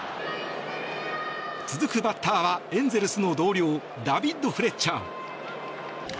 続くバッターはエンゼルスの同僚ダビッド・フレッチャー。